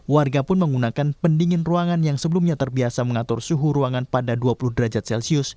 warga pun menggunakan pendingin ruangan yang sebelumnya terbiasa mengatur suhu ruangan pada dua puluh derajat celcius